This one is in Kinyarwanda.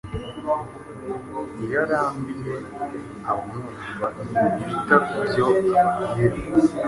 Iyo arambiye abamwumva ntibita ku byo ababwira,